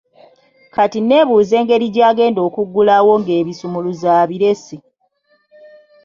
Kati nneebuuza engeri gy'agenda okuggulawo ng'ebisumuluzo abirese.